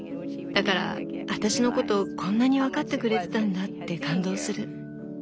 だから「私のことこんなに分かってくれてたんだ」って感動する。